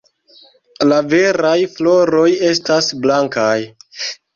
La viraj floroj estas blankaj.